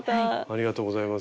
ありがとうございます。